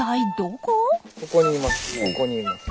ここにいます。